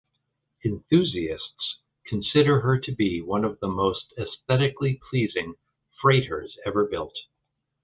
Enthusiasts consider her to be one of the most aesthetically pleasing freighters ever built.